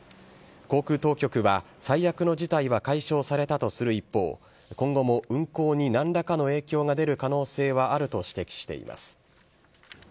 航空当局は、最悪の事態は解消されたとする一方、今後も運航になんらかの影響が出る可能性はあると指摘しています。